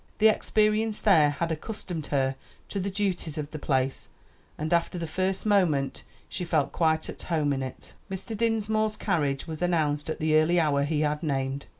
The experience there had accustomed her to the duties of the place, and after the first moment she felt quite at home in it. Mr. Dinsmore's carriage was announced at the early hour he had named.